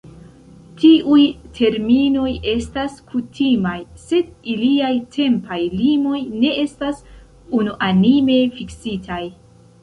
Tiuj terminoj estas kutimaj, sed iliaj tempaj limoj ne estas unuanime fiksitaj.